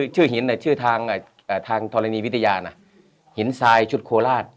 ชื่อหินชื่อทางธรณีวิทยานะหินทรายชุดโคราช